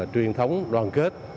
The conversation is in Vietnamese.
truyền thống đoàn kết